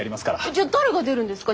じゃあ誰が出るんですか？